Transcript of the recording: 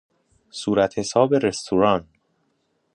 صورتحساب رستوران